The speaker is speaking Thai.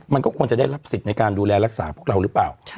มันก็ควรจะได้รับสิทธิ์ในการดูแลรักษาพวกเราหรือเปล่า